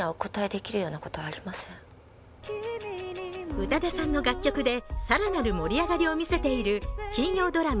宇多田さんの楽曲で更なる盛り上がりを見せている金曜ドラマ